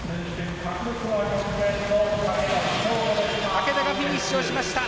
竹田がフィニッシュをしました。